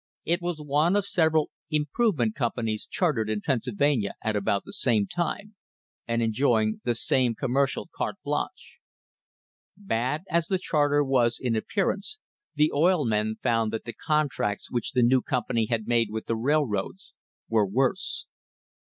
It was one of several "improvement" companies chartered in Penn sylvania at about the same time, and enjoying the same com mercial carte blanche. Bad as the charter was in appearance, the oil men found that the contracts which the new company had made with the railroads were worse.